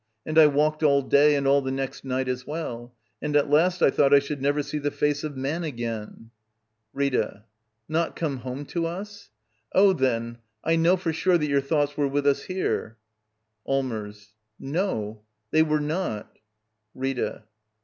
And I walked all day, and all the next night as well. And at last I thought I should never see the face of man again. Rita. Not come home to us? Oh, then, I know for sure that your thoughts were with us here. Allmers. No; they were not Rita.